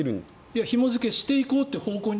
ひも付けしていこうっていう方向に。